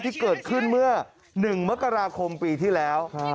ที่เกิดขึ้นเมื่อ๑มกราคมปีที่แล้ว